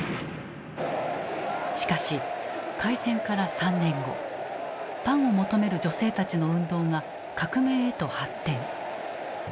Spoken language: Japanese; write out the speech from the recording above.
しかし開戦から３年後パンを求める女性たちの運動が革命へと発展。